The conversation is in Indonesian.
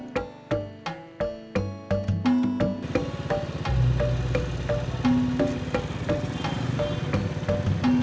yang tapi ekskresipsi